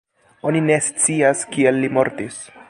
Oni ne scias kiel li mortis.